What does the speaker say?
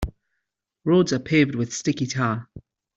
Roads are paved with sticky tar.